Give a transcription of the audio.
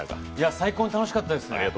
最高に楽しかったです。